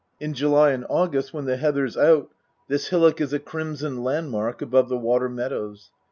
In July and August when the heather's out this hillock is a crimson landmark above the water meadows.